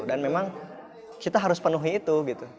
dan memang kita harus penuhi itu